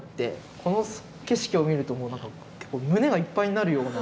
この景色を見るともう胸がいっぱいになるような。